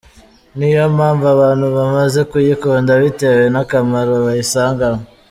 Ni yo mpamvu abantu bamaze kuyikunda bitewe n’akamaro bayisangana.